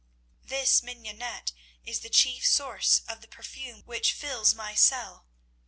This mignonette is the chief source of the perfume which fills my cell.